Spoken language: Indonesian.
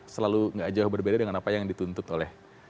selalu nggak jauh berbeda dengan apa yang dituntut oleh